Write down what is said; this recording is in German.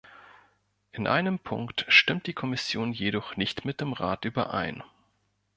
In einem Punkt stimmt die Kommission jedoch nicht mit dem Rat überein.